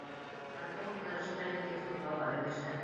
Татыу, тырыш коллектив туплауға өлгәшә.